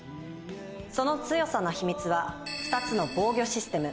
その強さの秘密は２つの防御システム。